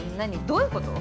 どういう事？